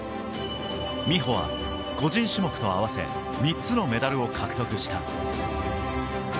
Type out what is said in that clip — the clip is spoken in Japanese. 美帆は個人種目と合わせ３つのメダルを獲得した。